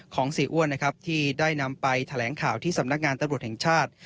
เสียอ้วนนะครับที่ได้นำไปแถลงข่าวที่สำนักงานตำรวจแห่งชาติ